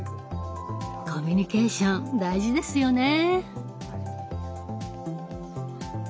コミュニケーション大事ですよね。